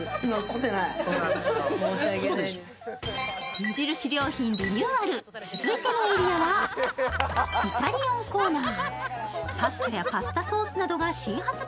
無印良品リニューアル、続いてのエリアはイタリアンコーナー。